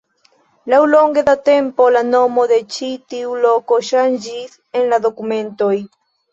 Laŭlonge de la tempo, la nomo de ĉi tiu loko ŝanĝis en la dokumentoj.